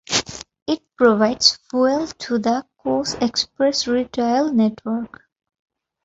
It provides fuel to the Coles Express retail network.